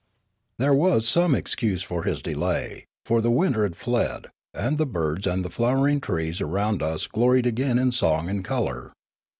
There was some excuse for his delay, for the winter had fled, and the birds and the flowering trees around us gloried again in song and colour.